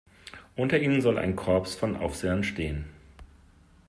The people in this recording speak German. Unter ihnen soll ein Corps von „Aufsehern“ stehen.